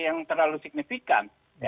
yang terlalu signifikan